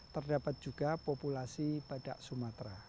terdapat juga populasi badak sumatera